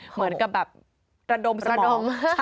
เหมือนกับแบบระดมระดม